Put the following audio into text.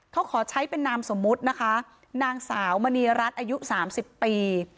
เขาขอใช้เป็นนามสมมุตินะคะนางสาวมณีรัฐอายุ๓๐ปี